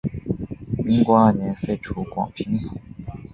民国二年废除广平府。